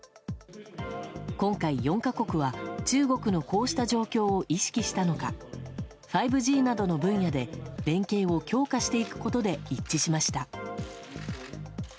今回、４か国は中国のこうした状況を意識したのか５Ｇなどの分野で連携を強化していくことで一致しました。